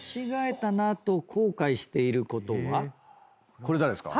これ誰ですか？